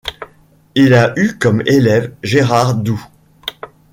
Il a eu comme élève Gérard Dou.